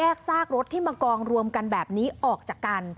ซากรถที่มากองรวมกันแบบนี้ออกจากกัน